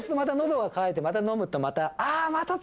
また飲むとまた。